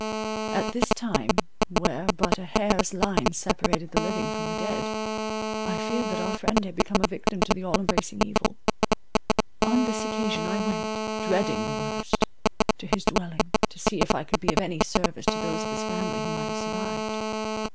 At this time where but a hair's line separated the living from the dead, I feared that our friend had become a victim to the all embracing evil. On this occasion I went, dreading the worst, to his dwelling, to see if I could be of any service to those of his family who might have survived.